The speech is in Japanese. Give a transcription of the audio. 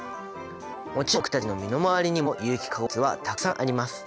もちろん僕たちの身の回りにも有機化合物はたくさんあります。